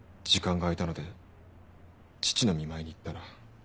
時間が空いたので父の見舞いに行ったら。